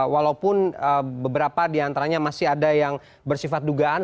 walaupun beberapa di antaranya masih ada yang bersifat dugaan